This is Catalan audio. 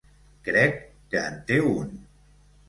Crec que en té un.